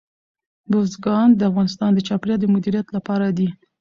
بزګان د افغانستان د چاپیریال د مدیریت لپاره دي.